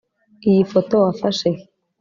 iyi foto wafashe he